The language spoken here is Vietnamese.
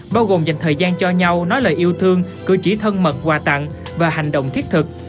bao gồm dành thời gian cho nhau nói lời yêu thương cử chỉ thân mật quà tặng và hành động thiết thực